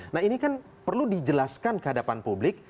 nah ini kan perlu dijelaskan ke hadapan publik